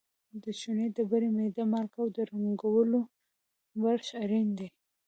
د چونې ډبرې، میده مالګه او د رنګولو برش اړین دي.